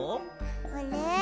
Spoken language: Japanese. あれ？